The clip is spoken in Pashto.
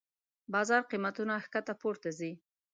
بازار قېمتونه کښته پورته ځي.